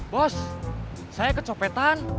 bos saya kecopetan